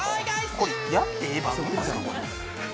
これ、やっていい番組なんですか。